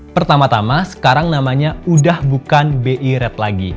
pertama tama sekarang namanya udah bukan bi rad lagi